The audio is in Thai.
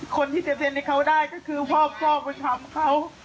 คนที่จะเซ็นให้เขาได้ก็คือพ่อบุญธรรมเขา